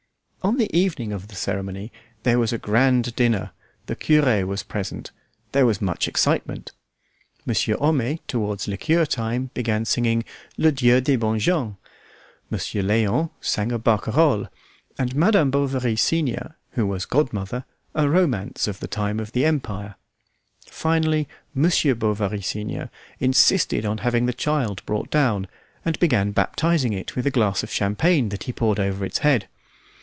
On the evening of the ceremony there was a grand dinner; the cure was present; there was much excitement. Monsieur Homais towards liqueur time began singing "Le Dieu des bonnes gens." Monsieur Léon sang a barcarolle, and Madame Bovary, senior, who was godmother, a romance of the time of the Empire; finally, M. Bovary, senior, insisted on having the child brought down, and began baptizing it with a glass of champagne that he poured over its head.